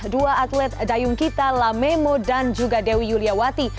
dua atlet dayung kita lamemo dan juga dewi yuliawati